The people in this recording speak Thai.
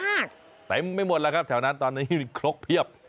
มากแต่ยังไม่หมดละครับแถวนั้นตอนนี้ครกเพียบ